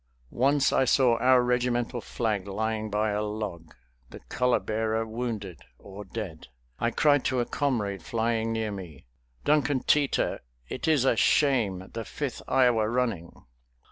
Once I saw our regimental flag lying by a log, the color bearer wounded or dead. I cried to a comrade flying near me, "Duncan Teter, it is a shame the Fifth Iowa running."